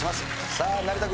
さあ成田君。